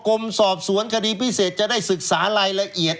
กรมสอบสวนคดีพิเศษจะได้ศึกษารายละเอียด